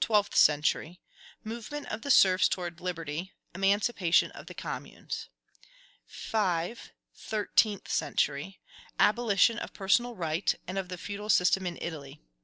Twelfth century. Movement of the serfs towards liberty; emancipation of the communes. 5. Thirteenth century. Abolition of personal right, and of the feudal system in Italy.